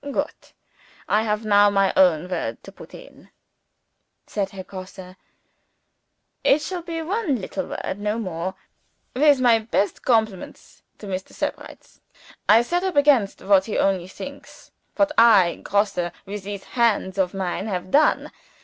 "Goot! I have now my own word to put in," said Herr Grosse. "It shall be one little word no more. With my best compliments to Mr. Sebrights, I set up against what he only thinks, what I Grosse with these hands of mine have done.